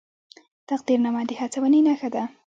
تقدیرنامه د هڅونې نښه ده